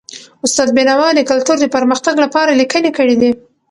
استاد بینوا د کلتور د پرمختګ لپاره لیکني کړي دي.